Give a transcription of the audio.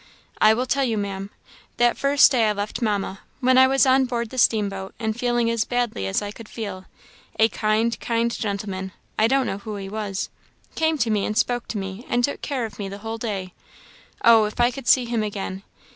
"I will tell you, Maam. That first day I left Mamma when I was on board the steamboat, and feeling as badly as I could feel a kind, kind gentleman I don't know who he was came to me, and spoke to me, and took care of me the whole day. Oh, if I could see him again!